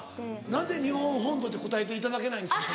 なぜ日本本土って答えていただけないんですか？